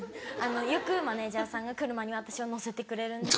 よくマネジャーさんが車に私を乗せてくれるんですよ。